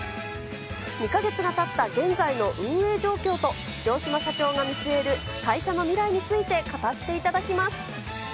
２か月がたった現在の運営状況と、城島社長の見据える会社の未来について語っていただきます。